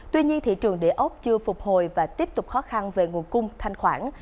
tuy nhiên thị trường đề ốc chưa phục hồi và tiếp tục khó khăn về nguồn cung thanh khoản